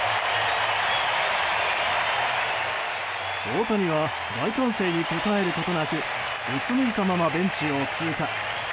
大谷は大歓声に応えることなくうつむいたままベンチを通過。